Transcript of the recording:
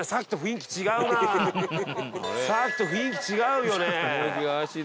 さっきと雰囲気違うよね。